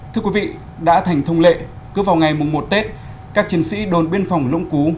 thưa quý vị đã thành thông lệ cứ vào ngày mùng một tết các chiến sĩ đồn biên phòng lũng cú